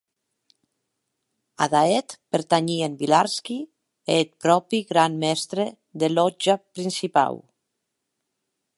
Ada eth pertanhien Villarski e eth pròpi gran mèstre de lòtja principau.